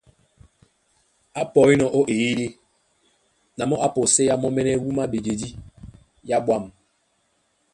Á pɔínɔ̄ ó eyídí, na mɔ́ á pɔséá mɔ́mɛ́nɛ́ wúma á ɓejedí yá ɓwâm,